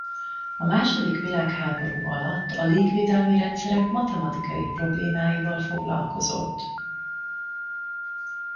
A második világháború alatt a légvédelmi rendszerek matematikai problémáival foglalkozott.